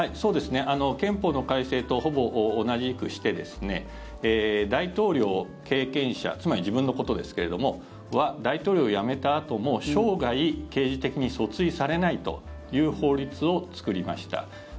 憲法の改正とほぼ同じくして大統領経験者つまり自分のことですけれども大統領を辞めたあとも、生涯刑事的に訴追されないという法律を作りました。